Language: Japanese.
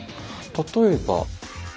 例えば。